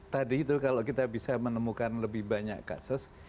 tadi itu kalau kita bisa menemukan lebih banyak kasus